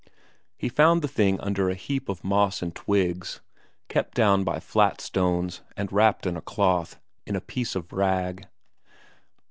He found the thing under a heap of moss and twigs, kept down by flat stones, and wrapped in a cloth, in a piece of rag.